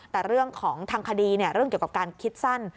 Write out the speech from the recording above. แต่เรื่องของทางคดีเรื่องเกี่ยวกับการคิดสั้น